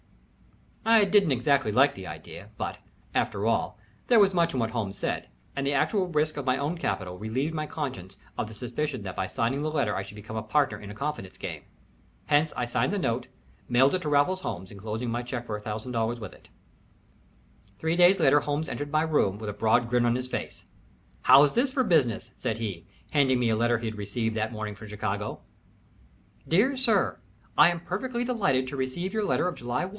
I didn't exactly like the idea, but, after all, there was much in what Holmes said, and the actual risk of my own capital relieved my conscience of the suspicion that by signing the letter I should become a partner in a confidence game. Hence I signed the note, mailed it to Raffles Holmes, enclosing my check for $1000 with it. Three days later Holmes entered my room with a broad grin on his face. "How's this for business?" said he, handing me a letter he had received that morning from Chicago. "DEAR SIR, I am perfectly delighted to receive your letter of July 1.